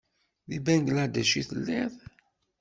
Di Bangladec i telliḍ?